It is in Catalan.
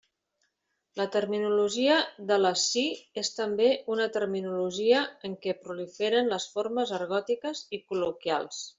La terminologia de la SI és també una terminologia en què proliferen les formes argòtiques i col·loquials.